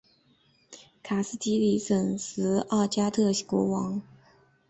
卡什提里亚什二世加喜特国王。